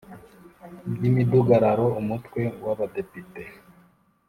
By’imidugararo, Umutwe w’Abadepite